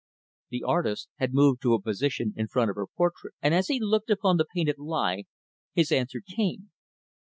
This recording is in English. The artist had moved to a position in front of her portrait; and, as he looked upon the painted lie, his answer came.